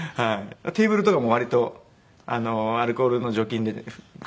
テーブルとかも割とアルコールの除菌で拭いたりはします。